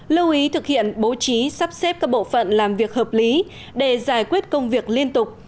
lưu ý thực hiện bố trí sắp xếp các bộ phận làm việc hợp lý để giải quyết công việc liên tục